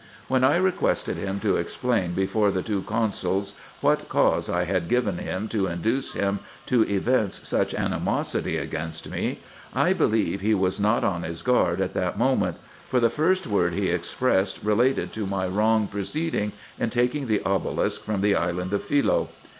When I requested him to explain before the two consuls what cause I had given him to induce him to evince such animosity against me, I believe he was not on his guard at that moment ; for the first word he expressed related to my wrong proceeding in taking the obelisk from the island of Philce.